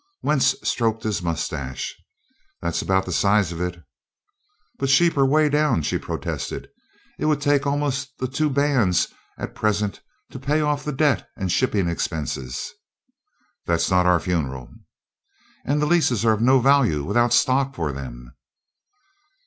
Wentz stroked his mustache. "That's about the size of it." "But sheep are way down," she protested. "It would take almost the two bands at present to pay off the debt and shipping expenses." "That's not our funeral." "And the leases are of no value without stock for them."